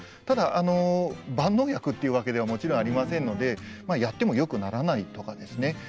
ただ万能薬っていうわけではもちろんありませんのでやってもよくならないとかですね